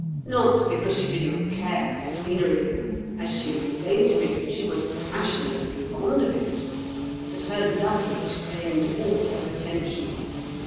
Not because she did not care for scenery. As she explained to me, she was passionately fond of it. But her luggage claimed all her attention.